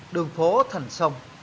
đường phố thành sông